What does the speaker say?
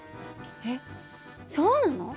えっそうなの？